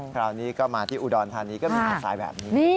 คราวนี้ก็มาที่อุดรธานีก็มีอาทรายแบบนี้